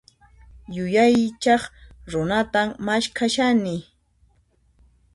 Yuyaychaq runatan maskhashani.